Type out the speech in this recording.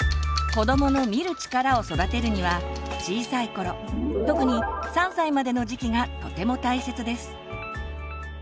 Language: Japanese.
子どもの「見る力」を育てるには小さい頃特に３歳までの時期がとても大切です。